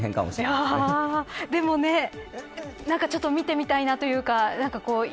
でも、ちょっと見てみたいなというか。